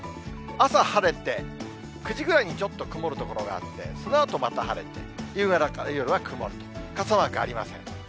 朝晴れて、９時ぐらいにちょっと曇る所があって、そのあとまた晴れて、夕方から夜は曇り、傘マークありません。